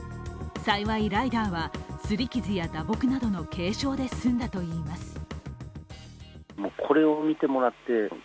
幸いライダーは、すり傷や打撲などの軽傷で済んだといいます。